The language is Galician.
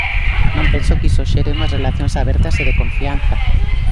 Non penso que iso xere unhas relacións abertas e de confianza.